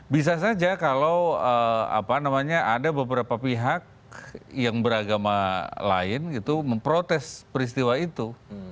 bisa saja kalau ada beberapa pihak yang beragama lain memprotes peristiwa itu